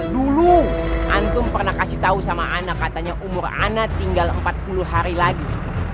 dulu antum pernah kasih tahu sama anak katanya umur anak tinggal empat puluh hari lagi